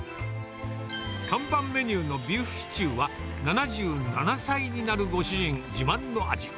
看板メニューのビーフシチューは、７７歳になるご主人自慢の味。